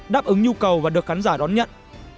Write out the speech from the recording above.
đáp ứng nhu cầu và được khán giả đón nhận